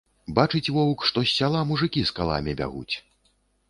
Бачыць воўк, што з сяла мужыкі з каламі бягуць.